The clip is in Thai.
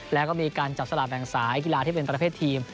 แล้วก็มีการจับสลากแบ่งสายกีฬาที่เป็นประเภททีม